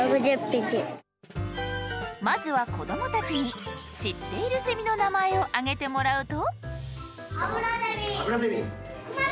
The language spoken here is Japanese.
まずは子どもたちに知っているセミの名前を挙げてもらうと。